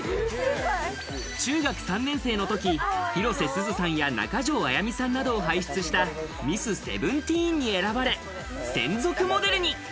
中学３年生の時、広瀬すずさんや中条あやみさんなどを輩出したミスセブンティーンに選ばれ、専属モデルに。